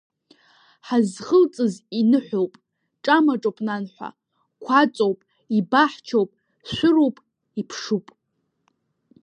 Ҳазхылҵыз иныҳәоуп, ҿамаҿоуп нанҳәа, қәаҵоуп, ибаҳчоуп, шәыруп, иԥшуп.